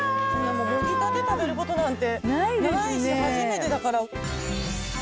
もぎたて食べることなんてないし初めてだから。